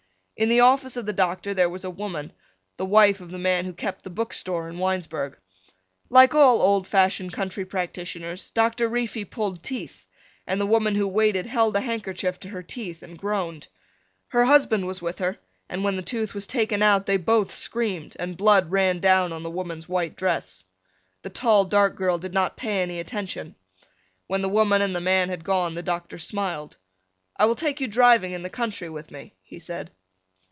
In the office of the doctor there was a woman, the wife of the man who kept the bookstore in Winesburg. Like all old fashioned country practitioners, Doctor Reefy pulled teeth, and the woman who waited held a handkerchief to her teeth and groaned. Her husband was with her and when the tooth was taken out they both screamed and blood ran down on the woman's white dress. The tall dark girl did not pay any attention. When the woman and the man had gone the doctor smiled. "I will take you driving into the country with me," he said.